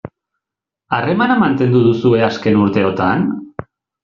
Harremana mantendu duzue azken urteotan?